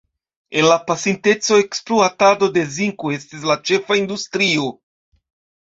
En la pasinteco, ekspluatado de zinko estis la ĉefa industrio.